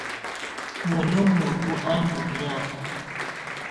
Mɔna muǝndu á ndɔ nɛ̀á.